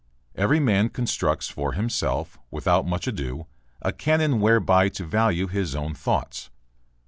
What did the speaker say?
Every man constructs for himself without much ado a canon whereby to value his own thoughts.